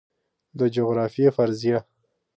د جغرافیې فرضیه